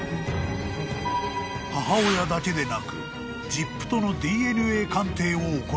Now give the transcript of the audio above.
［母親だけでなく実父とのＤＮＡ鑑定を行った］